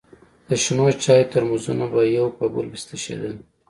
د شنو چايو ترموزونه به يو په بل پسې تشېدل.